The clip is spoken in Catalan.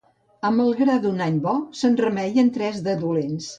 Amb el gra d'un any bo, se'n remeien tres de dolents.